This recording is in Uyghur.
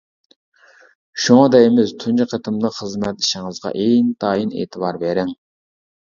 شۇڭا دەيمىز، تۇنجى قېتىملىق خىزمەت ئىشىڭىزغا ئىنتايىن ئېتىبار بېرىڭ.